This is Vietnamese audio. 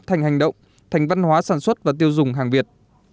thành hành động thành văn hóa sản xuất và tiêu dùng hàng việt